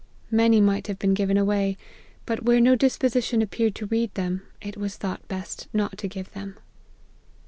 Many might have been given away ; but where no disposition appeared to read them, it was thought best not to give them.